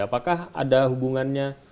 apakah ada hubungannya